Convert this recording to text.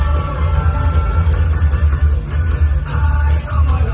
มันเป็นเมื่อไหร่แล้ว